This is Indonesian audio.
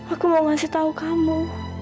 aku mau ngasih tahu kamu